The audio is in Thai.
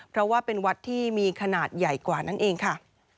เพราะว่าเป็นวัดที่มีขนาดใหญ่กว่านั่นเองค่ะ